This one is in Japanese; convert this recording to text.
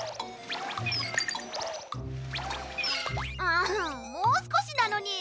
あもうすこしなのに！